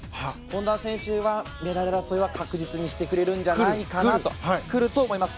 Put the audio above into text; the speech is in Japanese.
本多選手はメダル争いは確実にしてくれるんじゃないかなと思います。